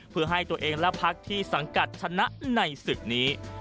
เพื่อให้ตัวเองและพักที่สังกัดชนะในศึกนี้